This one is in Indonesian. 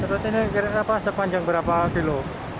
terus ini kira kira apa sepanjang berapa kilo